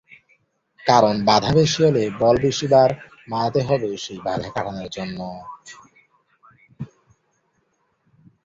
কারণ বাধা বেশি হলে বল বেশিবার মারতে হবে সেই বাধা কাটানোর জন্য।